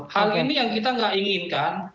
hal ini yang kita nggak inginkan